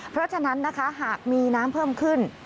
เพราะฉะนั้นนะคะหากมีน้ำเพิ่มขึ้น